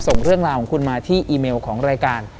ส่งเรื่องราวของคุณมาที่อีเมลของรายการ